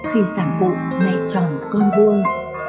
khi sản phụ mẹ chồng con vuông